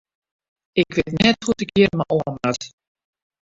Ik wit net hoe't ik hjir mei oan moat.